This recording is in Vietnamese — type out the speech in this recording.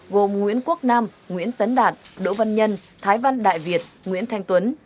gồm nguyễn quốc nam nguyễn tấn đạt đỗ văn nhân thái văn đại việt nguyễn thanh tuấn